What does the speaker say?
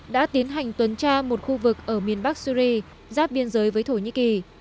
đã tiến hành tuần tra một khu vực ở miền bắc syri giáp biên giới với thổ nhĩ kỳ